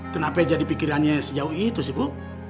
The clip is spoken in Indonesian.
kenapa jadi pikirannya sejauh itu sih bu